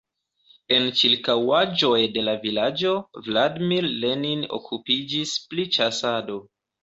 En ĉirkaŭaĵoj de la vilaĝo Vladimir Lenin okupiĝis pri ĉasado.